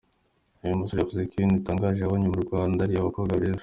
Uyu musore yavuze ko ikintu gitangaje yabonye mu Rwanda ari abakobwa beza.